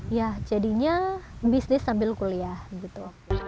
ya jadinya bisnis sambil kuliah gitu